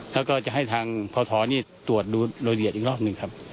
แล้วก็จะให้ทางพศตรวจดูโดยละเอียดอีกรอบหนึ่งครับ